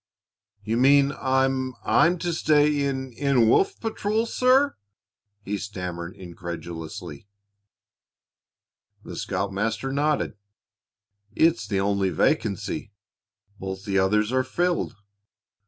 "You mean I I'm to stay in in Wolf patrol, sir?" he stammered incredulously. The scoutmaster nodded. "It's the only vacancy. Both the others are filled.